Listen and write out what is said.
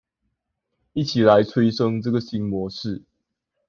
一起來催生這個新模式